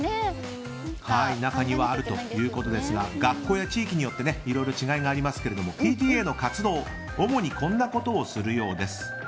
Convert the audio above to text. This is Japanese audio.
中にはあるということですが学校や地域によっていろいろな違いがありますがＰＴＡの活動主にこんなことをするようです。